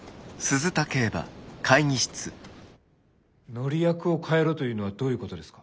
乗り役を変えろというのはどういうことですか？